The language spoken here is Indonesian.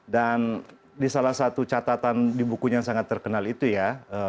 dan di salah satu catatan di bukunya yang sangat terkenal itu ya